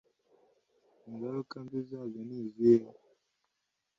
ingaruka mbi zabyo nizihe